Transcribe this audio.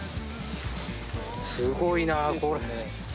すごいなぁこれ。